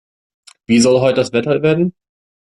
Wie soll heute das Wetter werden?